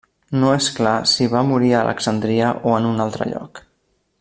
No és clar si va morir a Alexandria o en un altre lloc.